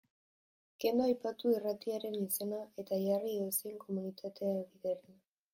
Kendu aipatu irratiaren izena eta jarri edozein komunikabiderena.